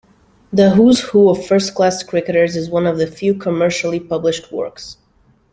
"The Who's Who of first-class Cricketers" is one of the few commercially published works.